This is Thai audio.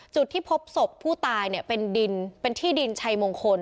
จุดที่พบศพผู้ตายเนี่ยเป็นดินเป็นที่ดินชัยมงคล